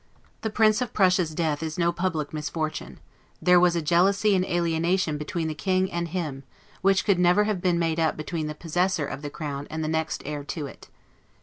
The Prince of Prussia's death is no public misfortune: there was a jealousy and alienation between the King and him, which could never have been made up between the possessor of the crown and the next heir to it.